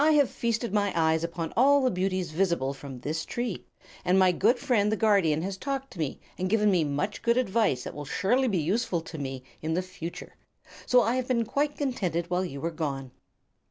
"I have feasted my eyes upon all the beauties visible from this tree, and my good friend the Guardian has talked to me and given me much good advice that will surely be useful to me in the future. So I have been quite contented while you were gone."